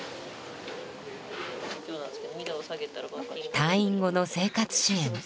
退院後の生活支援